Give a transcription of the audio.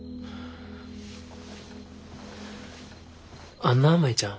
あんな舞ちゃん。